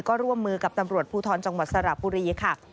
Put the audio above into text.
ก็ร่วมมือกับตำรวจภูทรจังหวัดสระบุรีค่ะ